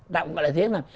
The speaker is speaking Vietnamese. đã gọi là thế mà